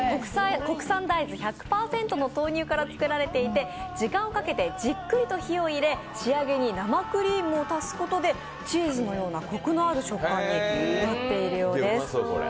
国産大豆１００％の豆乳から作られていて時間をかけてじっくりと火を入れ、仕上げに生クリームを足すことでチーズのようなこくのある食感になっているようです。